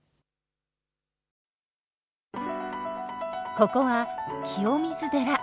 ここは清水寺。